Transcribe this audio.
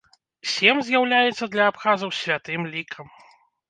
Сем з'яўляецца для абхазаў святым лікам.